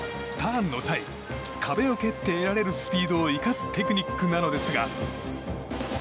ターンの際壁を蹴って得られるスピードを生かすテクニックなのですが。